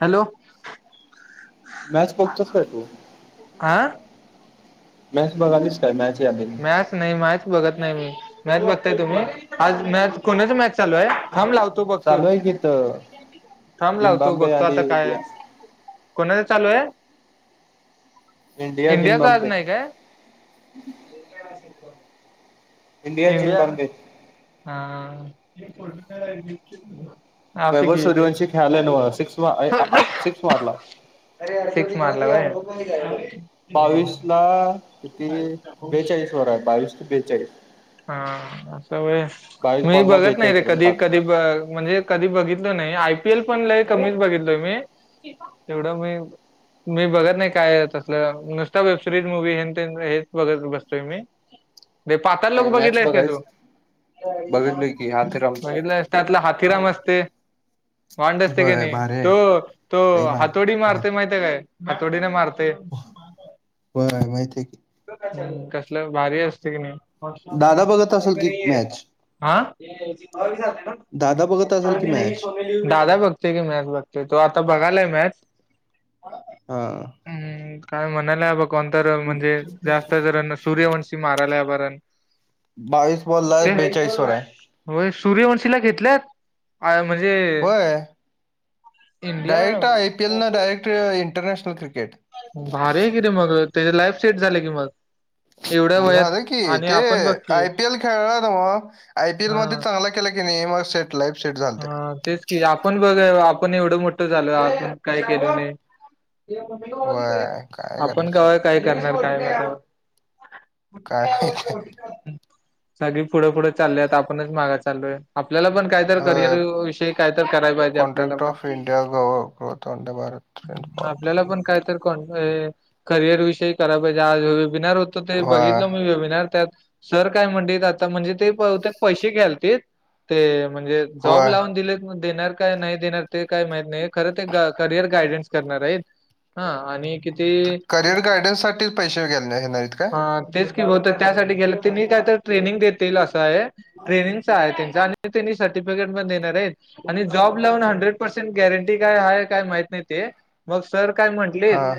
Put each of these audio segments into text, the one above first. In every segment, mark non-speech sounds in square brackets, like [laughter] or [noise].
Hello. Match बघतोच काय तू. आं. मॅच बघालीच का मॅच आलेली. मॅच नाही मॅच बघत नाही मी. मॅच बघताय तुम्ही आज मॅच कोणाची मॅच चालू आहे थांब लावतो. तू बघतो चालू आहे की इथं थांब लावतो. झिम्बाब्वे बघतो आणि आता काय. इंडिया कोणाच चालू आहे. इंडिया इंडियाच आज झिम्बाब्वे नाही काय. [inaudible] इंडिया झिमबॉबे. हा. [unintelligible] वैभव येते. सूर्यवंशी खेळाला नव्ह सिक्स सिक्स मारला [unintelligible] सीक्स मारल व्हयं. बावीस ला किती बेचाळीस वर आहे बावीस ते बेचाळीस. हा असं व्हय बावीस मी बॉलला बघत नाही बेचाळीस रे रन कधी काढले कधी. म्हणजे कधी बघितलो नाही. आयपीएल पण लय कमीच बघितलोय मी. एवढं मी. मी बघत नाही. काय तसलं नुसता वेबसिरीज मुवी हेन ते हेच बघत बसतोय मी. ते पातळ लोक नाही मॅच बघितलास का तू बघायच बघितलय की हाथेरामच बघितलायस. त्यातला हाथीराम असते. वांड असते होय कणी भारी आहे तो तो लई हातोडी भारी मारतोय माहितेय काय हातोडीने मारतो. ते होय माहिती आहे की कसलं भारी असते कणी. दादा बघत असेल की मॅच आ.. दादा बघत असेल की मॅच [unintelligible] [unintelligible] दादा बघतोय की मॅच बघतोय. तो आता बघालाय मॅच. हा. हम्म काय म्हणाला बघ कोणतर म्हणजे जास्त जर सूर्यवंशी माराला बग रन. बावीस बोलाय बेचाळीसं वर आहे. व्हय सूर्यवंशीला घेतल्यात? हाय म्हणजे होय इंडिया ते इंटरनॅशनल क्रिकेट. भारी आहे कि रे मग त्याझी लाईफ सेट झाले की मग. एवढ्या मग वयात झालं की आणि ते आपण बघ की आयपीएल खेळला नव्ह आयपीएल हा मध्ये चांगला केला की नाही मग सेट लाईफ सेट झालत ते आपण बघ आपण एवढं मोठं झाल आपण काय केलं नाही. वय काय [unintelligible] आपण करायचं कव्हा काय करणार काय नाय काय माहिती तवा सगळी पुढं पुढं चालेत आपणच माग चालोय आपल्याला पण काय कायतर करिअर विषयी कायतर करायला पाहिजे आपल्याला कॉन्ट्रॅक्ट पण. Of India growth on the Bharat trend for आपल्याला थ्रू पण कायतर कोण करिअर विषयी करायला पाहिजे आज वेबिनार हो तो ते वय बघितलं मी वेबिनार त्यात सर काय म्हणलीत आता म्हणजे ते पैसे घ्यालतीत ते म्हणजे वय दिलेत मग देणार काय नाही देणार ते काय माहित नाही खरं ते क करियर गायडन्स करणार आहेत. हा आणि? किती करिअर गायडन्स साठीच पैसे घेणार आहेत. काय हा तेच कि बहुतेक त्यासाठी गेलं तेनी काय तर ट्रेनिंग देतील असं आहे. ट्रेनिंगचा आहे त्यांच आणि त्यांनी सर्टिफिकेट पण देणार आहेत. आणि जॉब लावून हंड्रेड पर्सेंट गॅरंटी काय आहे काय माहित नाही ते. मग सर काय हा म्हंटलीट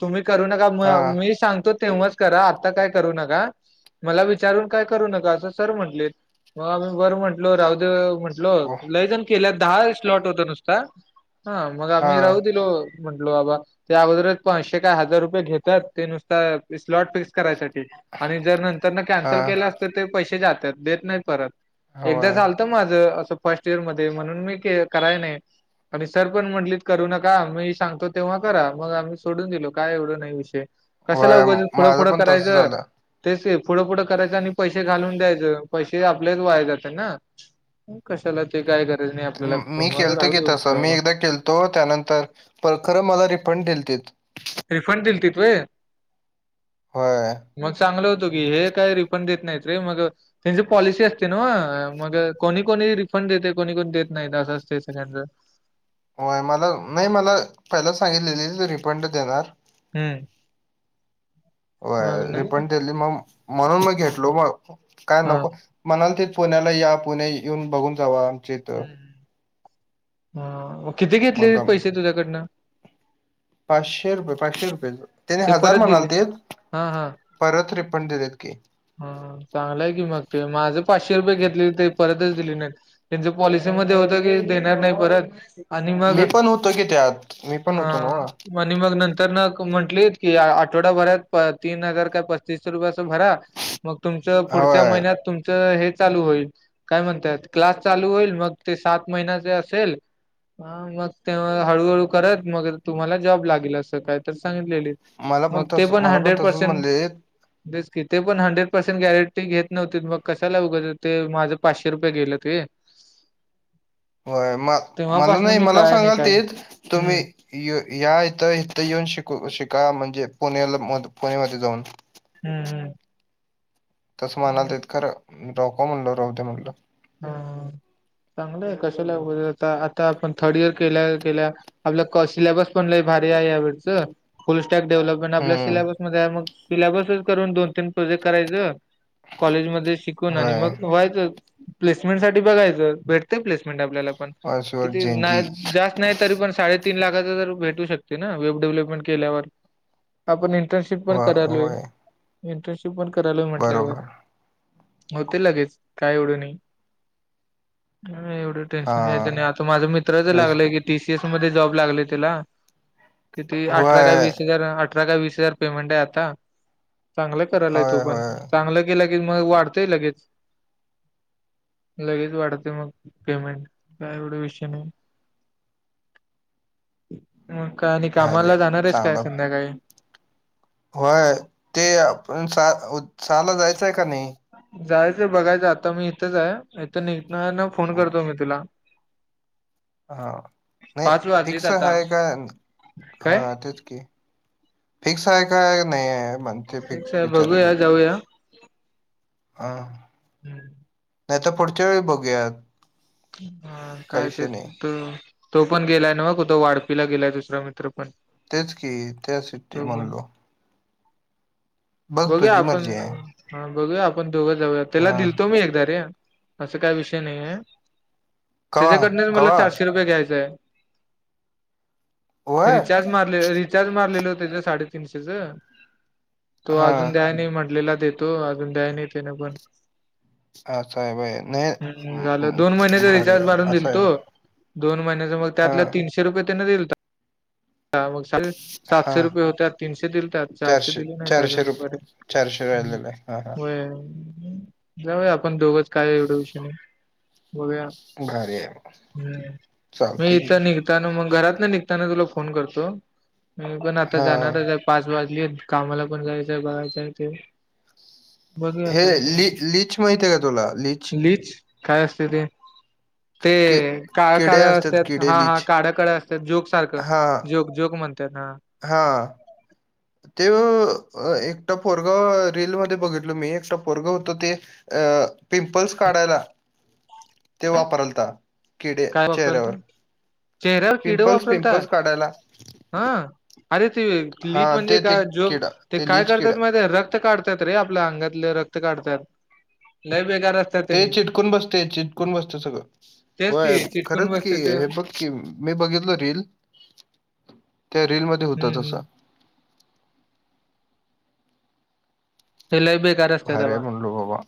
तुम्ही करू नका म हा मी सांगतो तेव्हाच करा आत्ता काय करू नका. मला विचारून काय करू नका असं सर म्हटले मग आम्ही बरं म्हटलो राहू दे लो ओ लैजन केल्यात दहा स्लॉट होता नुसता हा मग आम्ही राहू दिलो. म्हंटलो बाबा ते अगोदरच पाचशे काय हजार रुपये घेतात ते नुसता स्लॉट फ करायसाठी आणि जर नंतर न हा कॅन्सल केलास तर पैसे जातात देत नाही परत. एकदा होय झालं तर माझं अस फर्स्ट इयर मध्ये म्हणून मी करायला नाही. आणि सर पण म्हटलीत करू नका मी सांगतो तेव्हा करा मग आम्ही सोडून दिलो काय एवढं नाही विषय. कशाला वय उगं पुढ माझं पुढ पण तसं करायचं झालं तेच पुढं पुुढं करायचं आणि पैसे घालून द्यायचं पैसे आपलेच वाय जात ना. कशाला ते काय गरज नाही आपल्याला फो राहू दे म्हटलं बाबा. तो त्यानंतर पण खरं मला रिफंड दिलतीत. रिफंड दिलतेत व्हय? होय मग चांगलं होतो की हे काही रिफंड देत नाहीत रे मग त्यांची पॉलिसी असते नव्ह मग कोणी कोणी रिफंड देते कोणी कोणी देत नाही असं असते सगळ्यांचं. होय मला नाही मला पहिला सांगितलेलीत रिफंड देणार. होय. होय रिफंड दिली नंतर म्हणून मग घेतलो मग काय हां. नको म्हणालतीत पुण्याला या पुणे येऊन बघून जावा आमच्या इथं. हा मग किती घेतले मग आम- पैसे तुझ्याकडं? पाचशे रुपये पाचशे रुपयाे [unintelligible] च त्यानी ते हजार परत दिले? म्हणालतीत. हां, परत रिफंड देतात की. हा हा चांगलाय की मग ते माझं पाचशे रुपये घेतलेलीत ते परतच दिली नाहीत. त्यांच पॉलिसी मध्ये होत की देणार नाही परत. आणि मग मी पण होतो की त्यात, मी पण होतो नवं. हां मग नंतर न म्हटली की आठवडा भरात तीन हजार काय पस्तीसषे रुपये असं भरा. मग तुमचं पुढच्या होय महिन्यात तुमचं हे चालू होईल. काय म्हणत्यात. क्लास चालू होईल मग ते सात महिन्याचे असेल. मग ते हळूहळू करत मग तुम्हाला जॉब लागेल असं काय. तसं सांगितलेलं मला मग ते तस पण मला हंड्रेड तसच पर्सेंट म्हणलेत रिस्क घेताच हंड्रेड पर्सेंट. पर्सेंट गॅरंटी घेत नव्हते. मग कशाला उगाच माझे पाचशे रुपये गेले ते. [inaudible] होय म मला तेव्हापासून नाही मी मला काय नाही काय सांगालतीत तुम्ही. हम्म ये या इथं इथे येऊन शिकू शिका म्हणजे, पुण्याला म पुणेमध्ये जाऊन. हम. तसं म्हणालतीत खरं नको म्हणलं राहू दे म्हणलं. हा चांगलंय कशाला आता आता आपण थर्ड इयर केल्या केल्या. आपलं सिलेबस पण लै भारी आहे. यावेळच फुल स्टॅक डेव्हलप पण आपल्या हम्म सिलेबसमध्ये मग सिलेबसच करून दोन तीन प्रोजेक्ट करायचं. कॉलेजमध्ये शिकून आणि होय मग व्हायचं. प्लेसमेंट साठी बघायचं. भेटते प्लेसमेंट आपल्याला पण पासवर्ड किती चेंजीस जास्त नाही. तरी पण साडेतीन लाखाच तर भेटू शकते ना वेब डेव्हलपमेंट केल्यावर. आपण इंटर्नशिप पण हो करालोय होय इंटर्नशिप पण करालोय म्हटल्यावर. बरोबर होतंय लगेच काय एवढं नाही. एवढं हा टेन्शन घ्यायचं नाही. आता माझ्या मित्राचं लागलेय रेस्क्यू की. टीसीएस मध्ये जॉब लागले तेला किती अठरा का होय वीस हजार. अठरा काय वीस हजार पेमेंट आहे. आता चांगलं करायला तो होय पण होय चागलं केला की मग वाढतंय लगेच. लगेच वाढते मग पेमेंट काय एवढं विषय नाही. मग काय आणि भारी आहे कामाला मग जाणार येस काय चांगलं संध्याकाळी. होय ते आपण सहाला जायचंय काय नाही. जायचंय बघायचं आता मी इथंच आहे. इथून निघणार फोन करतो मी तुला. [inaudible] हा नाही पाच वाजलीत फिक्स आता आहे का हा काय तेच की. फिक्स आहे काय नाही ये. फिक्स आहे बघूया जाऊया. हा. हम. नाही तर पुढच्या वेळी बघूयात. हा काही काय ते. विषय नाही. तो तो पण गेलाय नवं तो वाडपीला गेलाय दुसरा मित्र पण. तेच की त्यासाठी म्हणलो. बघ बघुया तुझी आपण. मर्जी आहे. हा बघूया आपण दोघं जाऊया. त्याला हा दिलतो मी एकदा रे असं काय विषय नाही आहे. कवा त्यांच्याकडन मला कवा चारशे रुपये घ्यायचांय. व्हय रिचार्ज मारले रिचार्ज मारलेलो तेच साडेतीनशेच. तो हा अजून द्या नाही म्हटलेला देतो. अजून द्याय नाही तेन पन. असं हाय व्हय नाही म. दोन महिन्याचा भारी रिचार्ज आहे. मारून असं आहे दिलतो. व्हय दोन महिन्याचा मग त्यातलं हा तीन शे रुपये तेन दिलता मग [unintelligible] सातशे हा रुपये होत्यात तीनशे दिलता चारशे दिले नाहीत चारशे अजून रुपये परत. चारशे [unintelligible] हम्म. राहिले हा हा. होय. जाऊया आपण दोघंच काय एवढं विषय नाही. बघुया भारी आहे मग चालतंय इथं निघता न मग की. घरातन निघ निघतांना तुला फोन करतो मी पण आता हा जाणार आहे ज पाच वाजलेत कामाला पण जायचंय बाहेर जायचंय. बघूया हे काय ते लि लिच माहिती आहे का तुला लिच? लीच काय असतय ते? ते कि काळं काळ किडे असतात किडे हा हा लीच काळ्या काळ असतात जोक सारखं जोक जोक म्हणत त्यांना हां. ते एकटं पोरगा रीलमध्ये बघितलो मी एकटं पोरगा होत ते अ पिंपल्स काढायला ते काय वापरालता. किडे काय वापरलता चेहऱ्यावर चेहऱ्यावर किड पिंपल्स वापरलता पिंपल्स काढायला. हा अरे ते हा लीट म्हणजे ते ते काय जोक किडा ते काय लीच करतात किडा माहितीए ते रक्त रक्त काढतात रे आपल्या अंगातल रक्त काढतात लय बेकार असतात ते त्यांनी चिटकून बसते चिटकून बसते सगळं तेच व्हय की चिटकून खरंच की बसते ते हे बघ किम मी बघितल रील त्या रीलमध्ये होत हम्म तसं. हम्म लय बेकार असतात भारी हाय बाबा म्हणलो बाबा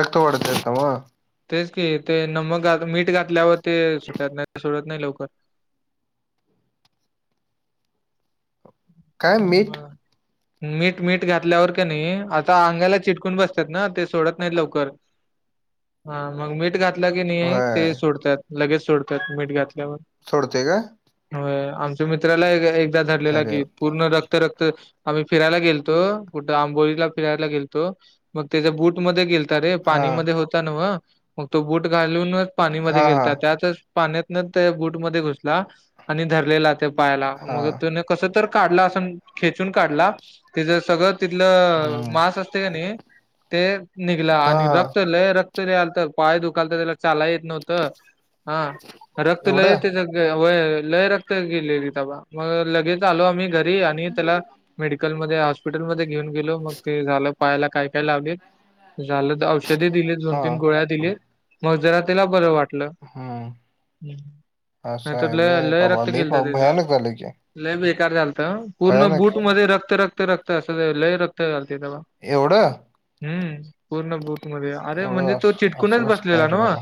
रक्त वढत्यात नव. तेच की ते नमक घात मीठ घातल्यावर ते सुटत नाही सोडत नाही लवकर. काय हा मीठ हा. मीठ मीठ घातल्यावर कनी आता अंगाला चिटकून बसतात ना ते सोडत नाही लवकर. हा मग मीठ घात [unintelligible] होय ते सोडतात लगे सोडतात मीठ घातल्यावर. सोडतय काय? व्हय आमच्या मित्राला एकदा धरलेला अरे कि. पूर्ण रक्त रक्त आम्ही फिरायला गेलतो कुठं आंबोलीला फिरायला गेलतो. मग तेज्या बूटमध्ये गेल ता रे पाणी हां, मध्ये होता नव मग तो बूट घालूनच पाणी मध्ये हां, हां, गेलता त्यातच पाण्यातन त्या बूट मध्ये घुसला आणि धरलेला त्या पायाला मग हां. त्यान कस तर काढला अस न खेचून काढला त्याज सगळं तिथलं हं. मास असते का नई ते निघला हां, आणि हां. रक्त लय रक्त लय आलत पाय दुखालत त्याला चालाय येत नव्हतं हा रक्त लय एवढं? त्याच व्हय लय रक्त गेलेलं तवा मग लगेच आलो आम्ही घरी आणि त्याला मेडि कल मध्ये हॉस्पिटल मध्ये घेऊन गेलो मग ते झाल पायाला काय काय लावले झालं औषध दिले दोन तीन हां. गोळ्या दिले मग जरा त्याला बर वाट ल हं. नाय असं तर आहे लय व्हय. लय बाबा रक्त लई गेलत भ त्याच. भयानक झालं की. लय बेकार झालतं पूर्ण भयानक. बूट मध्ये रक्त रक्त रक्त असं लय रक्त आलंत तवा. एवढं? हम्म पूर्ण बूट. अरे एवढं म्हणजे तो असं चीटकूनच असं कसं बसलेला काय रे नव बाबा?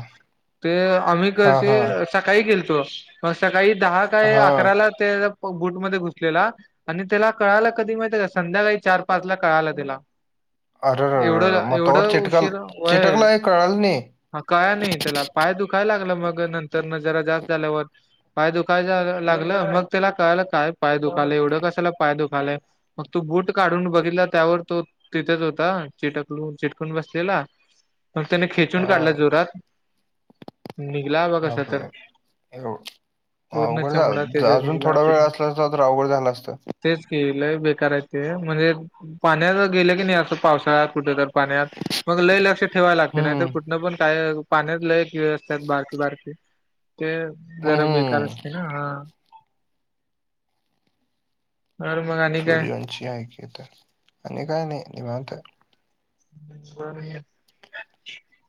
ते आम्ही हां, कसे हां. सकाळी गेलतो मग सकाळी दहा काय हां. अकराला त्या बूट मध्ये घुस लेला आणि त्याला कळाला कधी माहिते का संध्याकाळी चार पाच ला कळाल त्याला. एवढ अरेरेरे! मग तोवर एवढं चिटकल उशीर व्हय. चिटकला हे कळालं नाही. मग कळाल नई त्याला पाय दुखायला लागलं मग नंतर न जरा जास्त झाल्यावर. पाय दुखाय लागलं मग त्याला कळलं काय पाय दुखालय एवढं कसला पाय दुखालय मग तू बूट काढून बघितला त्यावर तो तिथेच होता चिटकलून चिटकून बसलेला. मग त्याने खेचून काढला हां. जोरात. निघला बा कसा तर बापरे एवढ [unintelligible] पूर्ण अवघड झालं चमडा त त्याचा अजून निघला थोडा वेळ असला असता तर अवघड झालं असतं. तेच की लंय बेकार ये ते म्हणजे पाण्यात गेलं की नाही असं पावसाळ्यात कुठ तर पाण्यात मग लय लक्ष ठेवाय लागते नाय तर हं. कुठन पण काय पाण्यात लय किडे असतात बारकि बारकि ते जरा बेकार हं. असते ना हा. हान मग आणि [unintelligible] काय आणि काय नाही निवांत आहे.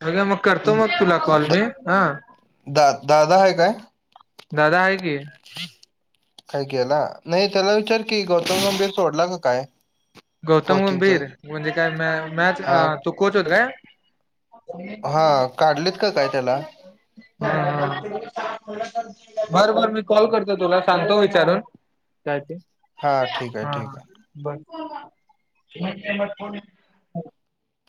उद्या मग करतो अं, मग तुला कॉल मी द हा. दा दादा हाय काय? दादा हाय की. काय केला नाही त्याला विचार की गौतम गंभीर सोडला का काय. गौतम कोचिंगच गंभीर म्हणजे काय म मँच हा तो कोच होता काय? हा काढलेत का काय त्याला? ह बर बर मी कॉल करतो तुला सांगतो विचारून. काय ते ठीक आहे हा ठीक हा आहे बर.